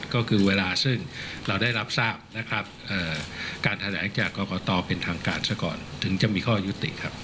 ก็คือเวลาซึ่งเราได้รับทราบนะครับการแถลงจากกรกตเป็นทางการซะก่อนถึงจะมีข้อยุติครับ